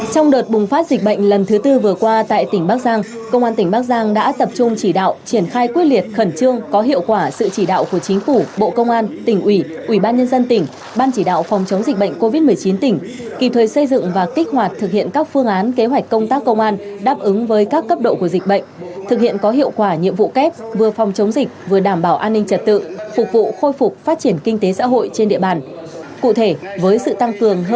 trong đợt bùng phát dịch bệnh lần thứ tư vừa qua tại tỉnh bắc giang công an tỉnh bắc giang đã tập trung chỉ đạo triển khai quyết liệt khẩn trương có hiệu quả sự chỉ đạo của chính phủ bộ công an tỉnh ủy ủy ban nhân dân tỉnh ban chỉ đạo phòng chống dịch bệnh covid một mươi chín tỉnh kịp thời xây dựng và kích hoạt thực hiện các phương án kế hoạch công tác công an đáp ứng với các cấp độ của dịch bệnh thực hiện có hiệu quả nhiệm vụ kép vừa phòng chống dịch vừa đảm bảo an ninh trật tự phục vụ khôi phục phát triển kinh